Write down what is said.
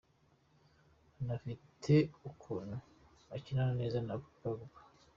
Anafite ukuntu akinana neza na Pogba.